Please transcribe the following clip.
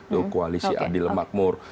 do kualisi adil makmur